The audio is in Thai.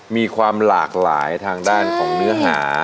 มีความหลากหลายทางด้านของเนื้อหา